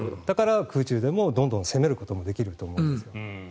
だから、空中でもどんどん攻めることができるんですよ。